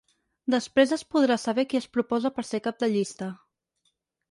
Després es podrà saber qui es proposa per ser cap de llista.